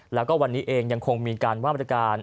แล้วก็วันนี้เองยังคงมีการว่าบริการ